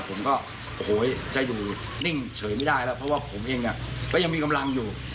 ผมก็โอ้โหจะอยู่นิ่งเฉยไม่ได้แล้วเพราะว่าผมเองเนี่ยก็ยังมีกำลังอยู่